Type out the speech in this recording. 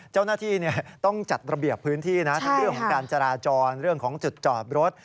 เจ้าหน้าที่ต้องจัดระเบียบพื้นที่นะทั้งเรื่องของการจราจรเรื่องของจุดจอดรถ